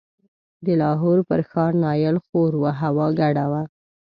د لاهور پر ښار نایل خور و، هوا ګډه وه.